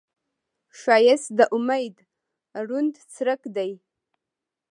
ښایست د امید روڼ څرک دی